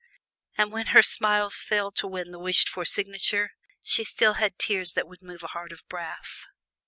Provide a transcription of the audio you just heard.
And when her smiles failed to win the wished for signature, she still had tears that would move a heart of brass.